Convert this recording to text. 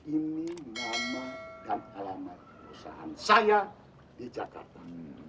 ini nama dan alamat perusahaan saya di jakarta